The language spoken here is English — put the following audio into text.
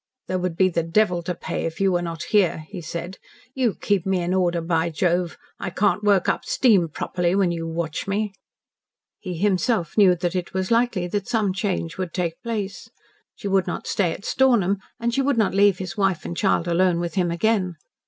"There would be the devil to pay if you were not here," he said. "You keep me in order, by Jove! I can't work up steam properly when you watch me." He himself knew that it was likely that some change would take place. She would not stay at Stornham and she would not leave his wife and child alone with him again.